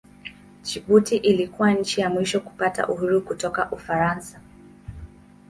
Jibuti ilikuwa nchi ya mwisho kupata uhuru kutoka Ufaransa.